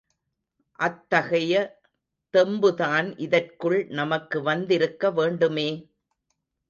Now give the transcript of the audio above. அத்தகைய தெம்பு தான் இதற்குள் நமக்கு வந்திருக்க வேண்டுமே!